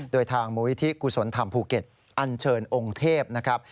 โดยทางมูลิธิกุศลธรรมภูเก็ตอันเชิญองค์เทพนะครับ